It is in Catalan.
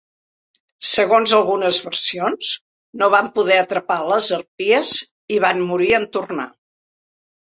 Segons algunes versions, no van poder atrapar les harpies i van morir en tornar.